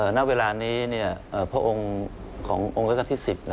ณเวลานี้พระองค์ขององค์ราชการที่๑๐